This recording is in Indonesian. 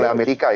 oleh amerika ya